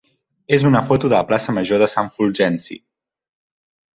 és una foto de la plaça major de Sant Fulgenci.